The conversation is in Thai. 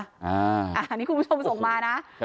อันนี้คุณผู้ชมส่งมานะ